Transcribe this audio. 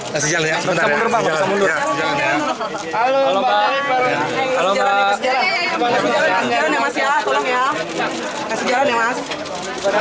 kasih jalan ya mas ya tolong ya